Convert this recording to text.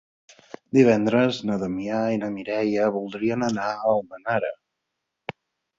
Divendres na Damià i na Mireia voldrien anar a Almenara.